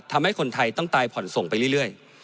ทำให้คนไทยต้องตายผ่อนส่งไปเรื่อย